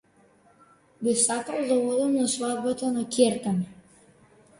Би сакал да одам на свадбата на ќерка ми.